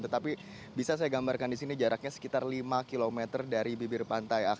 tetapi bisa saya gambarkan di sini jaraknya sekitar lima km dari bibir pantai